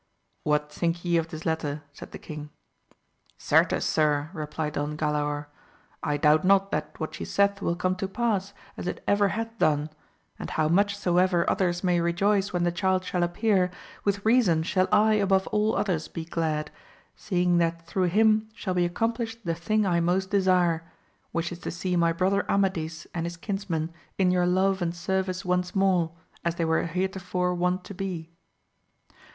What think ye of this letter 1 said the king. Certes, Sir, replied Don Galaor, I doubt not that what she saith will come to pass, as it ever hath done, and how much soever others may rejoice when the child shall appear, with reason shall I above all others be glad, seeing that through him shall be accom plished the thing I most desire, which is to see my brother Amadis and his kinsmen in your love and service once more, as they were heretofore wont to be.